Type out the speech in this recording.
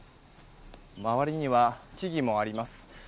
周りには木々もあります。